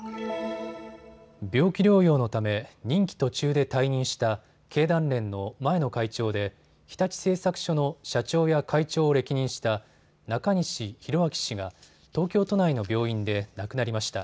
病気療養のため任期途中で退任した経団連の前の会長で日立製作所の社長や会長を歴任した中西宏明氏が東京都内の病院で亡くなりました。